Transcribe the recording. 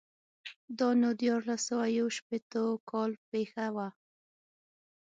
دا نو دیارلس سوه یو شپېتو کال پېښه وه.